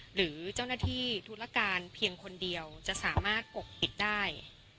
หรือเจ้าหน้าที่ธุรการเพียงคนเดียวจะสามารถปกปิดได้